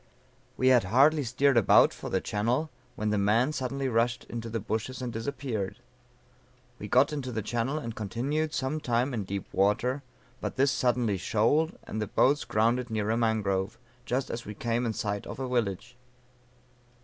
"We had hardly steered about for the channel, when the man suddenly rushed into the bushes and disappeared. We got into the channel, and continued some time in deep water, but this suddenly shoaled, and the boats grounded near a mangrove, just as we came in sight of a village.